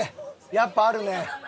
やっぱあるね。